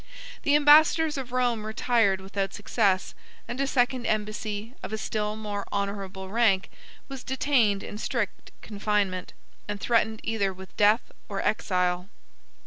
The ambassadors of Rome retired without success, and a second embassy, of a still more honorable rank, was detained in strict confinement, and threatened either with death or exile.